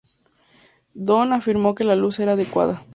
Don afirmó que la luz era adecuada.